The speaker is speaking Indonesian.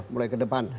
mulai ke depan